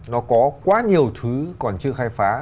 nó có quá nhiều thứ còn chưa khai phá